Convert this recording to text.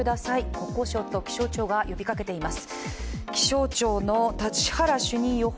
国交省と気象庁が呼びかけています。